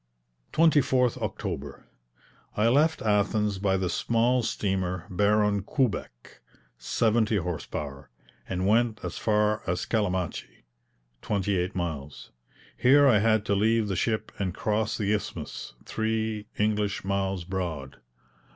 24th October. I left Athens by the small steamer Baron Kubeck, seventy horse power, and went as far as Calamachi (twenty eight miles). Here I had to leave the ship and cross the Isthmus, three English miles broad.